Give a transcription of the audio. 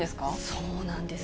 そうなんです。